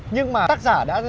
nhưng mà tác giả đã